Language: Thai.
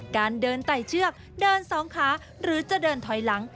การเดินไต่เชือกเดินสองขาหรือจะเดินถอยหลัง